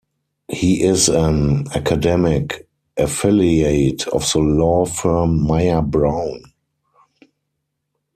He is an academic affiliate of the law firm Mayer Brown.